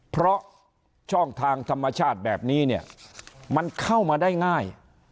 เพราะช่องทางธรรมชาติแบบนี้เนี่ยมันเข้ามาได้ง่าย